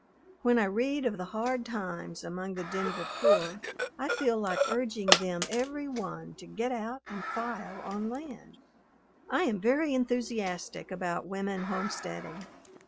When I read of the hard times among the Denver poor, I feel like urging them every one to get out and file on land. I am very enthusiastic about women homesteading.